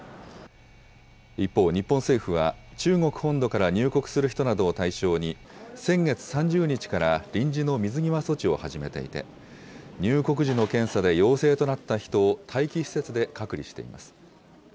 一方、日本政府は、中国本土から入国する人などを対象に、先月３０日から臨時の水際措置を始めていて、入国時の検査で陽性となった人を待機施設で隔離しています。